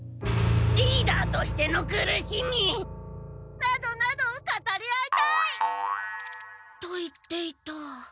リーダーとしての苦しみ！などなどを語り合いたい！と言っていた。